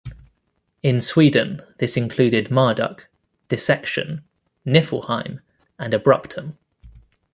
In Sweden, this included Marduk, Dissection, Nifelheim and Abruptum.